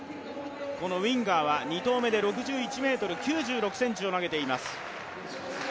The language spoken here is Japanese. このウィンガーは２投目で６１ｍ９６ｃｍを投げています。